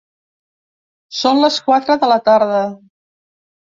Són les quatre de la tarda.